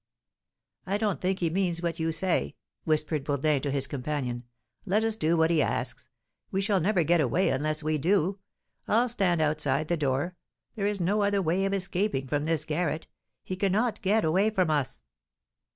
"I don't think he means what you say," whispered Bourdin to his companion; "let us do what he asks; we shall never get away unless we do. I'll stand outside the door; there is no other way of escaping from this garret; he cannot get away from us."